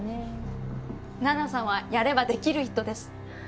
七菜さんはやればできる人です。